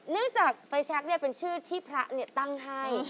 เนื่องจากไฟชักเป็นชื่อที่พระตั้งให้